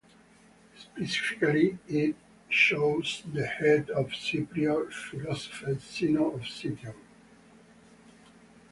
Specifically, it shows the head of Cypriot philosopher Zeno of Citium.